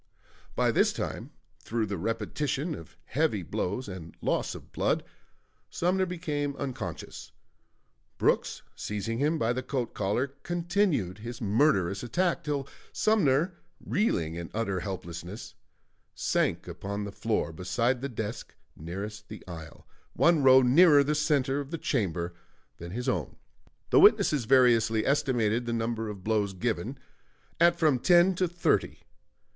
By this time, through the repetition of the heavy blows and loss of blood, Sumner became unconscious. Brooks, seizing him by the coat collar, continued his murderous attack till Sumner, reeling in utter helplessness, sank upon the floor beside the desk nearest the aisle, one row nearer the center of the chamber than his own. The witnesses variously estimated the number of blows given at from ten to thirty.